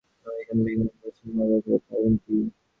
আর একদিন আমি সব মনটা আমেরিকা বা ইংলণ্ড বা সিংহল অথবা কলিকাতায় দিই।